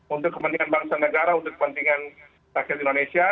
untuk kepentingan bangsa negara untuk kepentingan rakyat indonesia